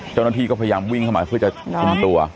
เจ้าหน้าที่ก็พยายามวิ่งเข้ามาเพื่อจะคุมตัว